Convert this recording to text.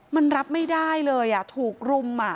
มันรับไม่ได้เลยถูกรุม